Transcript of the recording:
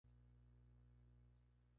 Este fruto es indehiscente.